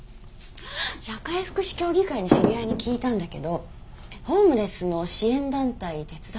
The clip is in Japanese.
社会福祉協議会の知り合いに聞いたんだけどホームレスの支援団体手伝ってるらしいわよ。